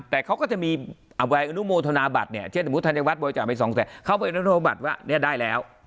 แต่เขาก็จะมีใบอนุโมทนาบัตรเนี่ยเช่นสมมุติธัญวัฒนบริจาคไปสองแสนเข้าไปอนุโนบัตรว่าเนี่ยได้แล้ว